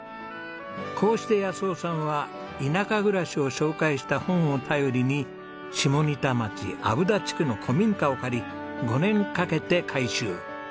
こうして夫さんは田舎暮らしを紹介した本を頼りに下仁田町蛇田地区の古民家を借り５年かけて改修。